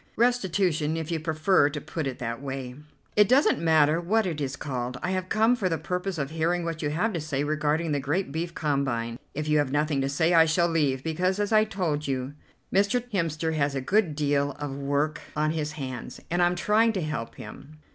Restitution if you prefer to put it that way." "It doesn't matter what it is called, I have come for the purpose of hearing what you have to say regarding the great beef combine. If you have nothing to say I shall leave, because, as I told you, Mr. Hemster has a good deal of work on his hands, and I'm trying to help him."